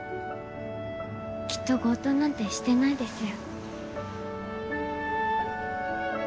きっと強盗なんてしてないですよ。